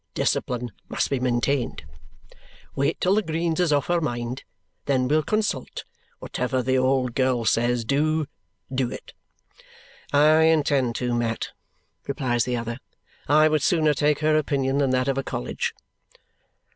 Discipline must be maintained. Wait till the greens is off her mind. Then we'll consult. Whatever the old girl says, do do it!" "I intend to, Mat," replies the other. "I would sooner take her opinion than that of a college."